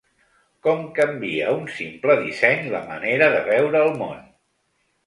Com canvia un simple disseny la manera de veure el món?